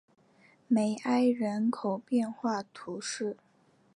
梅埃人口变化图示